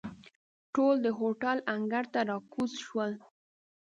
ټول د هوټل انګړ ته را کوز شول.